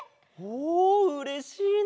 おうれしいな！